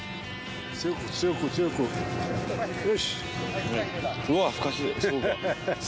強く強く強くよし。